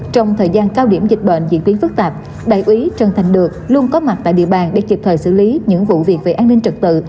trong thời gian cao điểm dịch bệnh diễn biến phức tạp đại úy trần thành được luôn có mặt tại địa bàn để kịp thời xử lý những vụ việc về an ninh trật tự